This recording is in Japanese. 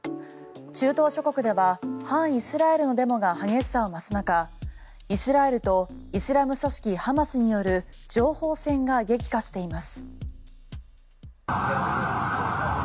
中東諸国では反イスラエルのデモが激しさを増す中イスラエルとイスラム組織ハマスによる情報戦が激化しています。